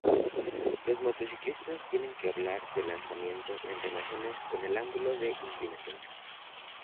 Los motociclistas tienden a hablar del lanzamiento en relación con el ángulo de inclinación.